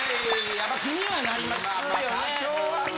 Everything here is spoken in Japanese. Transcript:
やっぱ気にはなりますよね。